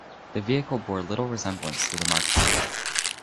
The vehicle bore little resemblance to the Mark I.